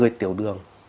vừa tiểu đường